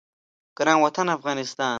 ګران وطن افغانستان